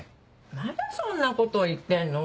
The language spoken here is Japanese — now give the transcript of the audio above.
まだそんなこと言ってんの？